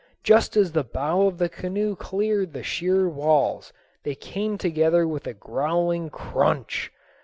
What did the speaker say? Just as the bow of the canoe cleared the sheer walls they came together with a growling crunch.